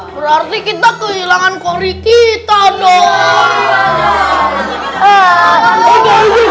berarti kita kehilangan kori kita dong